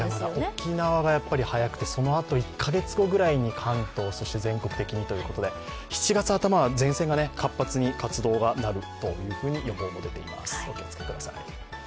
沖縄が早くて、そのあと１か月後ぐらいに関東、そして全国的にということで、７月頭は前線が活発に活動がなるという予報も出ています、お気をつけください。